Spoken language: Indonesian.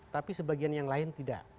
tapi sebagian yang lain tidak